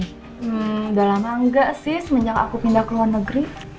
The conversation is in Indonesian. hmm udah lama nggak sih semenjak aku pindah ke luar negeri